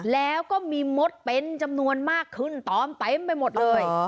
แล้วก็มีมดเป็นจำนวนมากขึ้นตอมเต็มไปหมดเลย